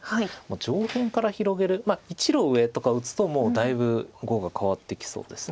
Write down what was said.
上辺から広げるまあ１路上とか打つともうだいぶ碁が変わってきそうです。